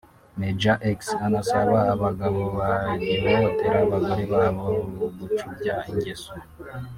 Major-X anasaba abagabo bagihohotera abagore babo gucubya ingeso